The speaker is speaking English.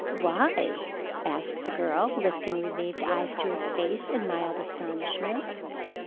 "Why?" asked the girl, lifting relieved eyes to his face in mild astonishment.